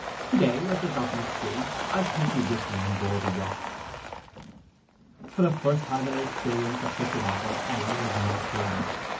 To day, as there's not much sea, I'll take you with me on board the yacht.' For the first time in her experience of such an offer Ella was not glad.